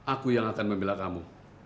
aku yang akan membela kamu